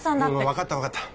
分かった分かった。